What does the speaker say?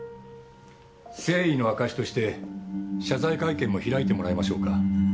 誠意の証しとして謝罪会見も開いてもらいましょうか。